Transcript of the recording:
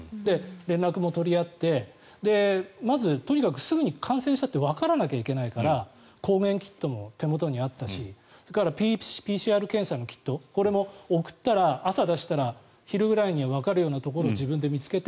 連絡も取り合ってまず、とにかくすぐに感染したってわからなきゃいけないから抗原キットも手元にあったしそれからＰＣＲ検査のキットこれも送って朝出したら昼ぐらいにはわかるところを自分で見つけて。